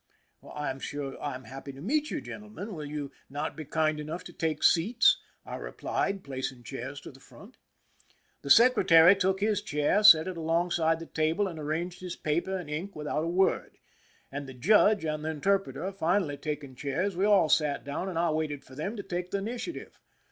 "I am sure I am happy to meet you, gentlemen. Will you not be kind enough to take seats ?" I replied, placing chairs to the front. The secretary took his chair, set it alongside the tablQ, and aiTanged his paper and ink without a word ; and the judge and the interpreter finally taking chairs, we all sat down, and I waited for them to takef the initiative.